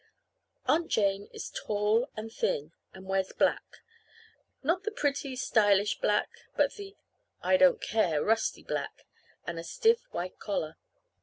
Aunt Jane is tall and thin, and wears black not the pretty, stylish black, but the "I don't care" rusty black and a stiff white collar.